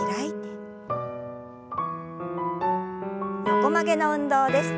横曲げの運動です。